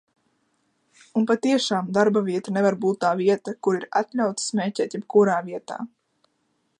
Un patiešām darbavieta nevar būt tā vieta, kur ir atļauts smēķēt jebkurā vietā.